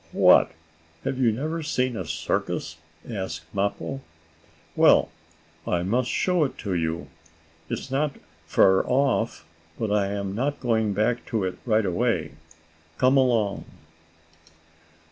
"What! Have you never seen a circus?" asked Mappo. "Well, I must show it to you. It is not far off. But I am not going back to it right away. Come along."